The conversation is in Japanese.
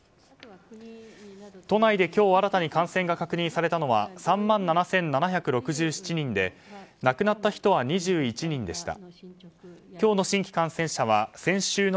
都内で今日新たに感染が確認されたのは３万７７６７人で亡くなった人は２１人でした。